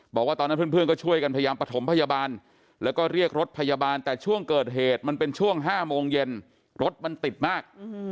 บอกว่าตอนนั้นเพื่อนก็ช่วยกันพยายามประถมพยาบาลแล้วก็เรียกรถพยาบาลแต่ช่วงเกิดเหตุมันเป็นช่วง๕โมงเย็นรถมันติดมาก